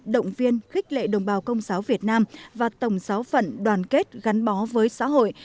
động viên khích lệ đồng bào công giáo việt nam và tổng giáo phận đoàn kết gắn bó với xã hội